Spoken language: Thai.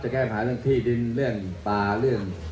แก้ปัญหาเรื่องที่ดินเรื่องป่าเรื่อง